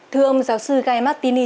thưa ông giáo sư guy martini